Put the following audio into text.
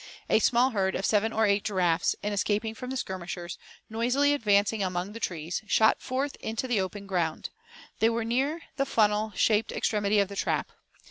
A small herd of seven or eight giraffes, in escaping from the skirmishers, noisily advancing among the trees, shot forth into the open ground. They were near the funnel shaped extremity of the trap.